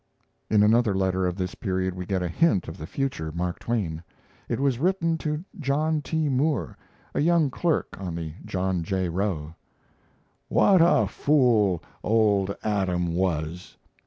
In another letter of this period we get a hint of the future Mark Twain. It was written to John T. Moore, a young clerk on the John J. Roe. What a fool old Adam was.